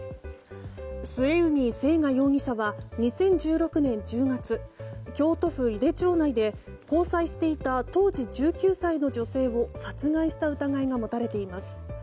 末海征河容疑者は２０１６年１０月京都府井手町内で交際していた当時１９歳の女性を殺害した疑いが持たれています。